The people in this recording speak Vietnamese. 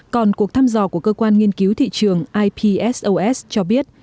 còn cuộc thăm dò của cơ quan nghiên cứu thị trường ipsos cho biết